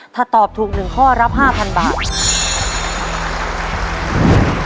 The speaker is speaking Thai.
ถ้าตอบถูก๑ข้อรับ๕๐๐บาท